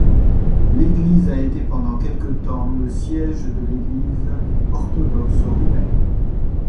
L'église a été pendant quelque temps le siège de l'Église orthodoxe roumaine.